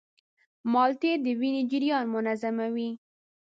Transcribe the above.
مالټې د وینې جریان منظموي.